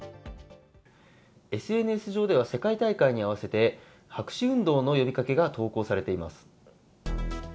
ＳＮＳ上では、世界大会に合わせて白紙運動の呼びかけが投稿されています。